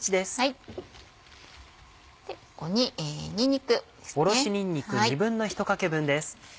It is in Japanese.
ここににんにくです。